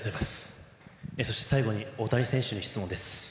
最後に大谷選手に質問です。